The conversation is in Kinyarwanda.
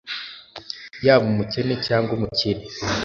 yaba umukene cyangwa umukire